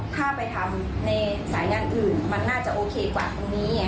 ถ้าไปทำในสายงานอื่นมันน่าจะโอเคกว่าตรงนี้